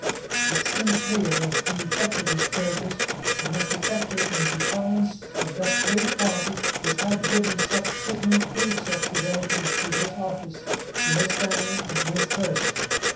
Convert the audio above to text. It seemed clear that, if he effected his purpose, he must effect it in defiance of that great party which had given such signal proofs of fidelity to his office, to his family, and to his person.